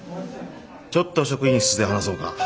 ちょっと職員室で話そうか。